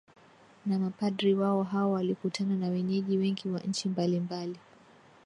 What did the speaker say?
na mapadri wao Hao walikutana na wenyeji wengi wa nchi mbalimbali